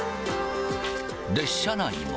列車内も。